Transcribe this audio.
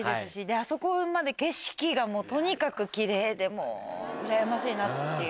あそこまで景色がとにかく奇麗でもううらやましいなっていう。